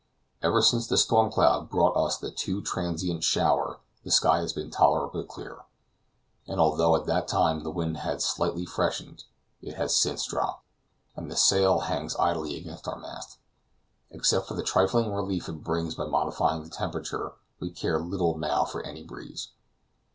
Ever since the storm cloud brought us the too transient shower the sky has been tolerably clear, and although at that time the wind had slightly freshened, it has since dropped, and the sail hangs idly against our mast. Except for the trifling relief it brings by modifying the temperature, we care little now for any breeze.